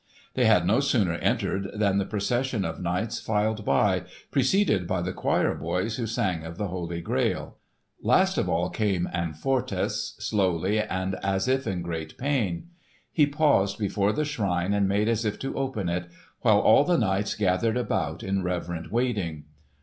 They had no sooner entered than the procession of knights filed by, preceded by the choir boys who sang of the Holy Grail. Last of all came Amfortas, slowly and as if in great pain. He paused before the shrine and made as if to open it, while all the knights gathered about in reverent waiting.